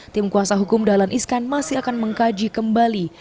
tim kuasa hukum dahlan iskan masih akan mengkaji kembali